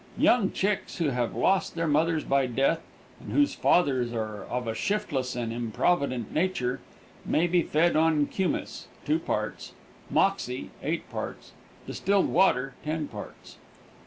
Young chicks who have lost their mothers by death, and whose fathers are of a shiftless and improvident nature, may be fed on kumiss, two parts; moxie, eight parts; distilled water, ten parts.